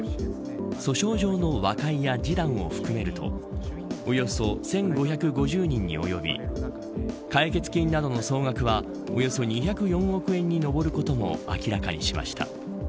訴訟上の和解や示談を含めるとおよそ１５５０人に及び解決金などの総額はおよそ２０４億円に上ることも明らかにしました。